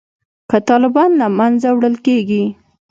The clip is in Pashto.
که طالبان له منځه وړل کیږي